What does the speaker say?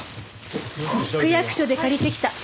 区役所で借りてきた。